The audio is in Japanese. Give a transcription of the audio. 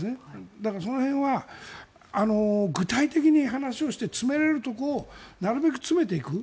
だから、その辺は具体的に話をして詰めれるところをなるべく詰めていく。